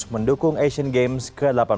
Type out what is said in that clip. mendukung asian games ke delapan belas